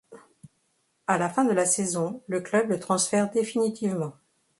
À la fin de la saison, le club le transfère définitivement.